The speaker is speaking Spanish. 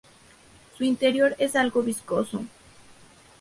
Su interior es algo viscoso.